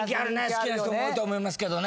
好きな人も多いと思いますけどね。